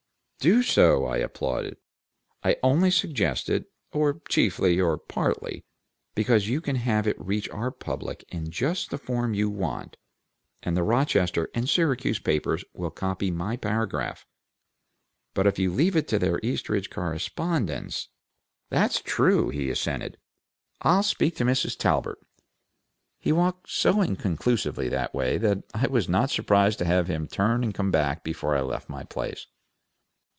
"Do so!" I applauded. "I only suggest it or chiefly, or partly because you can have it reach our public in just the form you want, and the Rochester and Syracuse papers will copy my paragraph; but if you leave it to their Eastridge correspondents " "That's true," he assented. "I'll speak to Mrs. Talbert " He walked so inconclusively away that I was not surprised to have him turn and come back before I left my place.